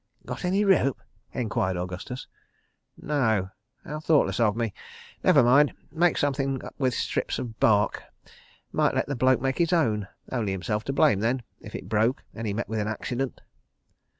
..." "Got any rope?" enquired Augustus. "No! ... How thoughtless of me! ... Never mind—make up something with strips of bark. ... Might let the bloke make his own—only himself to blame, then, if it broke and he met with an accident."